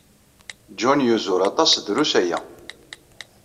John yuzur aṭas drus aya.